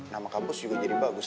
nama kampus juga jadi bagus